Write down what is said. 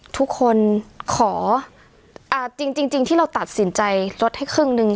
ทุกคนขออ่าจริงจริงที่เราตัดสินใจลดให้ครึ่งหนึ่ง